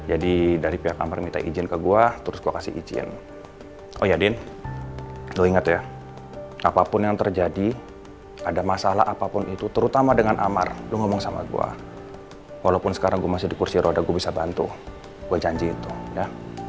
jadi dari pihak amar minta izin ke gue terus gue kasih izin oh ya din lu inget ya apapun yang terjadi ada masalah apapun itu terutama dengan amar lu ngomong sama gue walaupun sekarang gue masih dikursi roda gue bisa bantu gue janji itu ya